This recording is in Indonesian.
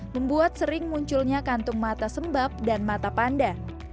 membuat sering munculnya kantung mata sembab dan mata panda